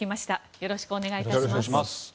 よろしくお願いします。